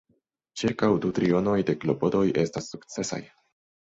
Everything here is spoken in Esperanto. Ĉirkaŭ du trionoj de klopodoj estas sukcesaj.